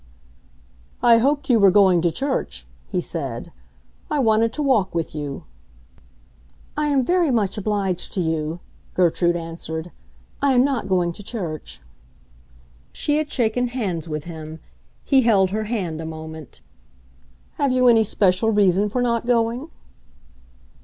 "I hoped you were going to church," he said. "I wanted to walk with you." "I am very much obliged to you," Gertrude answered. "I am not going to church." She had shaken hands with him; he held her hand a moment. "Have you any special reason for not going?"